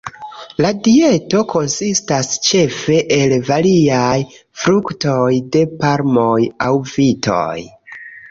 La dieto konsistas ĉefe el variaj fruktoj, de palmoj aŭ vitoj.